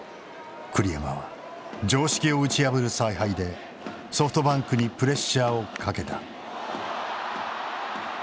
栗山は常識を打ち破る采配でソフトバンクにプレッシャーをかけた。